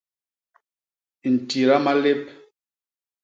Ntida malép.